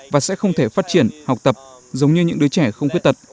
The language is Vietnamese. và sẽ không thể phát triển học tập giống như những đứa trẻ không khuyết tật